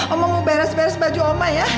omong mau beres beres baju oma ya